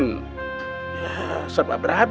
ya serba berahab ya